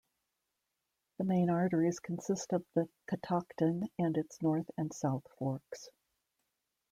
The main arteries consist of the Catoctin and its North and South Forks.